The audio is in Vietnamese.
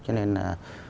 cho nên là